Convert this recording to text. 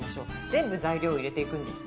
全部材料を入れていくんですね。